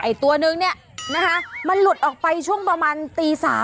ไอ้ตัวนึงเนี่ยมันหลุดออกไปช่วงประมาณตี๓อ่ะ